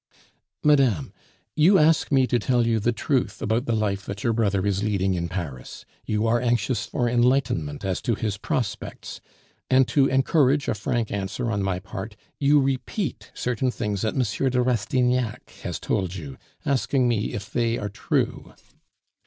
_ "MADAME, You ask me to tell you the truth about the life that your brother is leading in Paris; you are anxious for enlightenment as to his prospects; and to encourage a frank answer on my part, you repeat certain things that M. de Rastignac has told you, asking me if they are true.